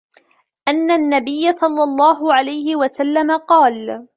أَنَّ النَّبِيَّ صَلَّى اللَّهُ عَلَيْهِ وَسَلَّمَ قَالَ